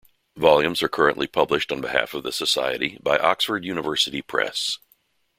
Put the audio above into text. Volumes are currently published on behalf of the Society by Oxford University Press.